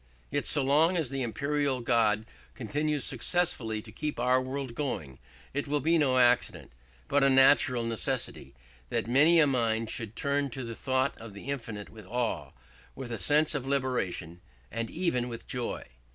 Yet so long as the imperial God continues successfully to keep our world going, it will be no accident, but a natural necessity, that many a mind should turn to the thought of the infinite with awe, with a sense of liberation, and even with joy.